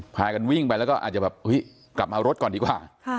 พากันวิ่งไปแล้วก็อาจจะแบบกลับมาเอารถก่อนดีกว่า